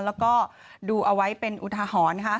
แล้วก็ดูเอาไว้เป็นอุทาหรณ์